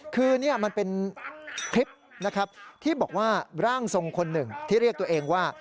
คือนี่มันเป็นคลิปนะครับที่บอกว่าร่างทรงคนหนึ่งที่เรียกตัวเองว่า